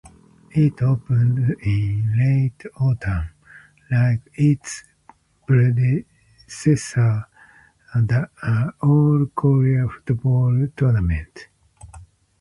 It opened in late autumn, like its predecessor, the All Korea Football Tournament.